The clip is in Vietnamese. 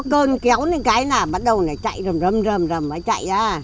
có cơn kéo lên cái là bắt đầu chạy